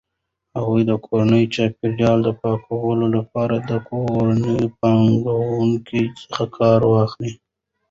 هغې د کورني چاپیریال د پاکوالي لپاره د کورنیو پاکونکو څخه کار اخلي.